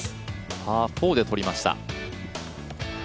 パー４でとりました。